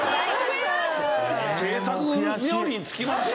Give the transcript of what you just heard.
制作冥利に尽きますよ。